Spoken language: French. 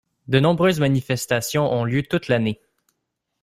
De nombreuses manifestations ont lieu toute l'année.